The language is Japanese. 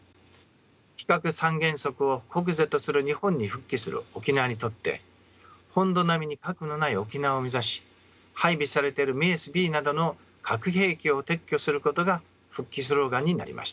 非核三原則を国是とする日本に復帰する沖縄にとって本土並みに核のない沖縄を目指し配備されているメースＢなどの核兵器を撤去することが復帰スローガンになりました。